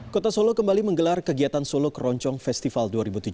kota solo kembali menggelar kegiatan solo keroncong festival dua ribu tujuh belas